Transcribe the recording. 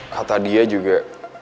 kata dia juga